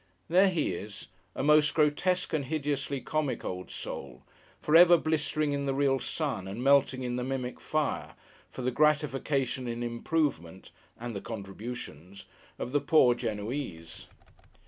There he is: a most grotesque and hideously comic old soul: for ever blistering in the real sun, and melting in the mimic fire, for the gratification and improvement (and the contributions) of the poor Genoese.